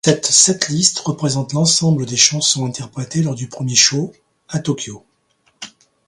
Cette set list représente l'ensemble des chansons interprétées lors du premier show, à Tokyo.